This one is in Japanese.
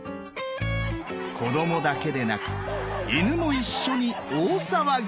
子供だけでなく犬も一緒に大騒ぎ！